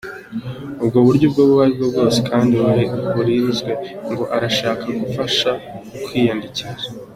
Ubwo buryo ubu burafunze kandi ntihazagire ukubeshya ngo arashaka kugufasha kwiyandikisha .